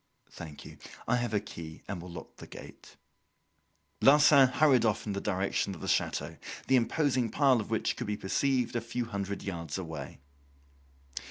"Thank you. I have a key and will lock the gate." Larsan hurried off in the direction of the chateau, the imposing pile of which could be perceived a few hundred yards away.